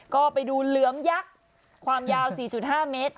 ก็ไปดูเหลือมยักษ์ความยาว๔๕เมตร